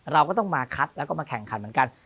เราก็ต้องมาคัดแล้วก็มาแข่งขันเหมือนกัน